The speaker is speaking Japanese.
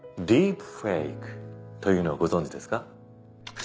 ディープフェイクというのをご存じですか？